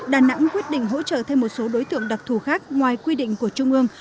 đà nẵng quyết định hỗ trợ thêm một số đối tượng đặc thù khác ngoài quy định của trung ương